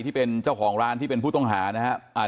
ที่เป็นเจ้าของร้านที่เป็นผู้ต้องหานะครับ